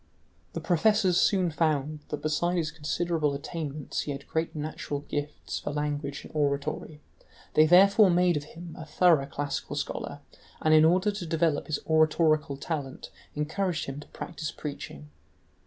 The professors soon found that besides his considerable attainments he had great natural gifts for languages and oratory; they therefore made of him a thorough classical scholar, and in order to develop his oratorical talent encouraged him to practise preaching.